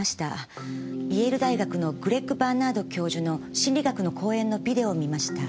イェール大学のグレッグ・バーナード教授の心理学の講演のビデオを見ました。